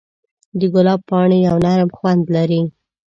د ګلاب پاڼې یو نرم خوند لري.